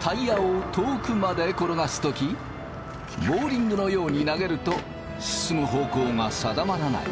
タイヤを遠くまで転がす時ボウリングのように投げると進む方向が定まらない。